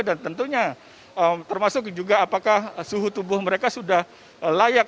tentunya termasuk juga apakah suhu tubuh mereka sudah layak